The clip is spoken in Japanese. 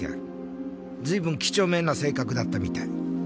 随分几帳面な性格だったみたい。